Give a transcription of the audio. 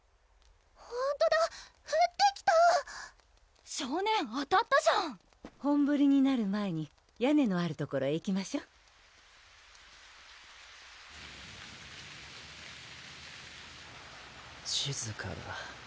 ほんとだふってきた少年当たったじゃん本ぶりになる前に屋根のある所へ行きましょうしずかだ